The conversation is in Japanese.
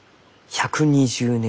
１２０年？